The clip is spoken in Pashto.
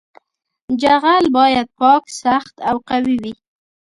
جغل باید پاک سخت او قوي وي